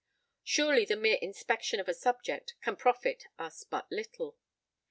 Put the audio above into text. Surely the mere inspection of a subject can profit us but little.